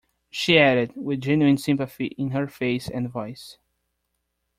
She added, with genuine sympathy in her face and voice.